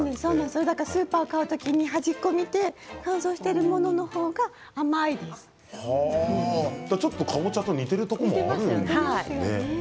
スーパーで買う時に端っこを見て乾燥しているちょっとかぼちゃと似ているところもありますね。